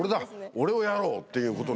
俺をやろう」っていうことに。